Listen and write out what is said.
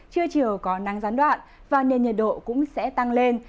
trưa chiều có nắng gián đoạn và nền nhiệt độ cũng sẽ tăng lên